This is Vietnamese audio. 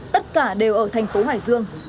tất cả đều ở thành phố hải sương